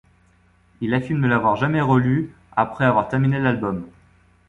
Il affirme ne l'avoir jamais relue après avoir terminé l'album.